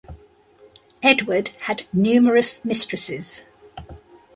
Edward had numerous mistresses.